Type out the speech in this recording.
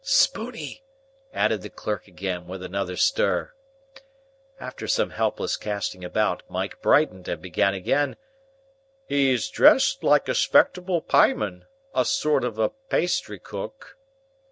("Spooney!" added the clerk again, with another stir.) After some helpless casting about, Mike brightened and began again:— "He is dressed like a 'spectable pieman. A sort of a pastry cook."